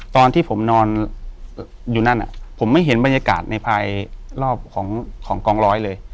ตอนที่ผมนอนอยู่นั่นผมไม่เห็นบรรยากาศในภายรอบของกองร้อยเลย